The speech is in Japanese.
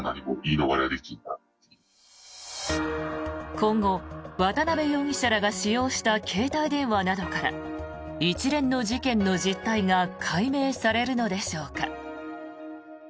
今後、渡邉容疑者らが使用した携帯電話などから一連の事件の実態が解明されるのでしょうか。